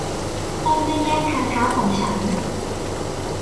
ต้องไม่แย่งทางเท้าของฉัน